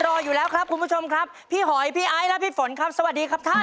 รออยู่แล้วครับคุณผู้ชมครับพี่หอยพี่ไอ้และพี่ฝนครับสวัสดีครับท่าน